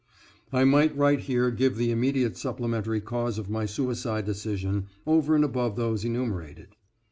I might right here give the immediate supplementary cause of my suicide decision, over and above those enumerated.